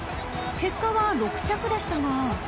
［結果は６着でしたが］